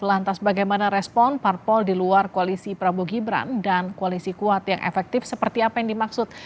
lantas bagaimana respon parpol di luar koalisi prabowo gibran dan koalisi kuat yang efektif seperti apa yang dimaksud